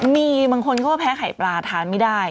มีบางคนก็แพ้ไข่ปลาทานไม่ได้